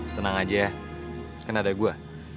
tenang aja ya kan ada gue